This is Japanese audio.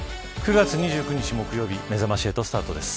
９月２９日、木曜日めざまし８スタートです。